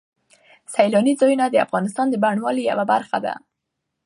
سیلاني ځایونه د افغانستان د بڼوالۍ یوه برخه ده.